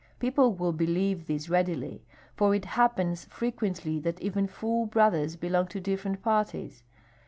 People will believe this readily, for it happens frequently that even full brothers belong to different parties.